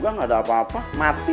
udah juga gak ada apa apa mati